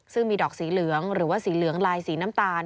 ซึ่งมีดอกสีเหลืองหรือว่าสีเหลืองลายสีน้ำตาล